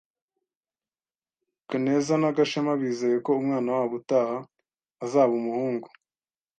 Kaneza na Gashema bizeye ko umwana wabo utaha azaba umuhungu.